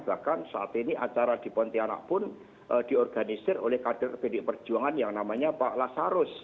bahkan saat ini acara di pontianak pun diorganisir oleh kader pdi perjuangan yang namanya pak lasarus